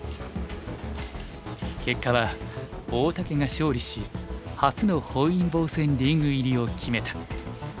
結果は大竹が勝利し初の本因坊戦リーグ入りを決めた。